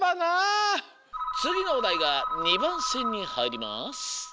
つぎのおだいが２ばんせんにはいります。